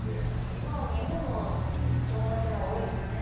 今は日本の友達のが多いですね。